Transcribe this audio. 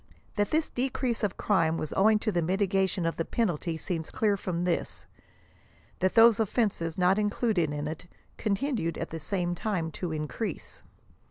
That this decrease of crime was owing to the mitigation of the penalty seems clear from this ; that those of fenses not included in it, continued at the same time to in crease.